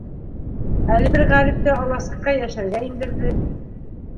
Әле бер ғәрипте аласыҡҡа йәшәргә индерҙе.